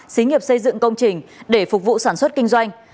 xí nghiệp xây dựng công trình để phục vụ sản xuất kinh doanh